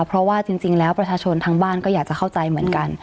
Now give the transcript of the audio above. เพราะว่าจริงแล้วประชาชนทางบ้านก็อยากจะเข้าใจเหมือนกัน